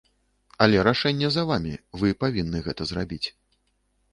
Але рашэнне за вамі, вы павінны гэта зрабіць.